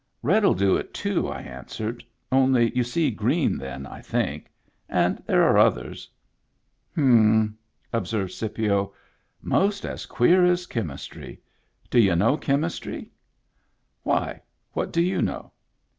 "RedTl do it, too," I answered. "Only you see green then, I think. And there are others." " H'm," observed Scipio. " Most as queer as chemistry. D' y'u know chemistry }"" Why, what do you know